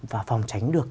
và phòng tránh được